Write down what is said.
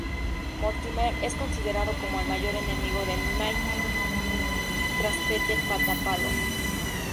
Mortimer es considerado como el mayor enemigo de Mickey, tras Pete Pata Palo.